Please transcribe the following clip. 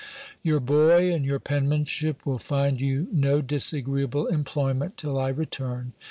Your boy, and your penmanship, will find you no disagreeable employment till I return.